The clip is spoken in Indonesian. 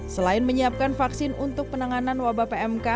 selain menyiapkan vaksin untuk penanganan wabah pmk